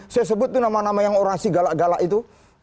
saya sebut itu nama nama yang orasi galak galak itu